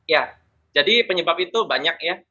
ya jadi penyebab itu banyak ya